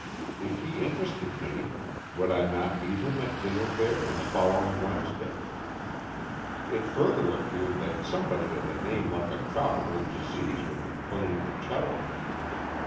If he interested me, would I not meet him at dinner there on the following Wednesday? It further appeared that somebody with a name like a tropical disease would be playing the 'cello.